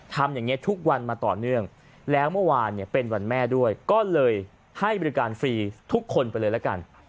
ทำอย่างนี้ทุกวันมาต่อเนื่องแล้วเมื่อวานเนี่ยเป็นวันแม่ด้วยก็เลยให้บริการฟรีทุกคนไปเลยละกัน